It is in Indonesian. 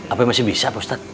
apa yang masih bisa ustadz